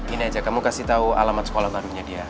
ini aja kamu kasih tau alamat sekolah namanya dia